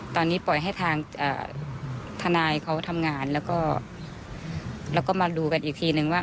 ตอนนี้ปล่อยให้ทางทนายเขาทำงานแล้วก็มาดูกันอีกทีนึงว่า